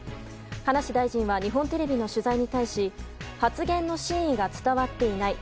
葉梨大臣は日本テレビの取材に対し発言の真意が伝わっていない。